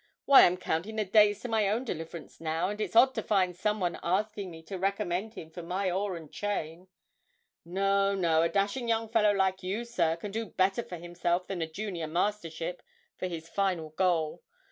Why, I'm counting the days to my own deliverance now, and it's odd to find some one asking me to recommend him for my oar and chain! No, no, a dashing young fellow like you, sir, can do better for himself than a junior mastership for his final goal.